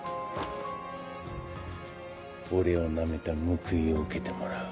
俺をナメた報いを受けてもらう。